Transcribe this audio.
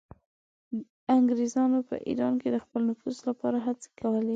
انګریزانو په ایران کې د خپل نفوذ لپاره هڅې کولې.